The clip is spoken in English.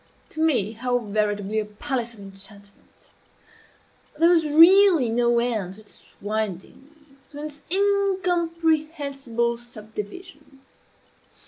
to me how veritably a palace of enchantment! There was really no end to its windings to its incomprehensible subdivisions.